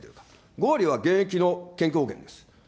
５割は現役の健康保険です。